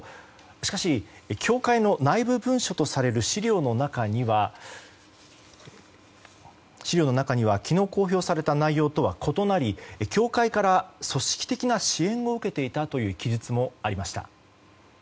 しかし、教会の内部文書とされる資料の中には昨日、公表された内容とは異なり教会から組織的な支援を受けていたという記述もありました。